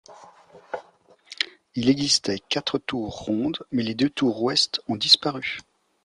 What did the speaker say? Il existait quatre tours rondes mais les deux tours ouest ont disparu.